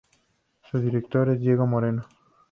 Su director es Diego Moreno.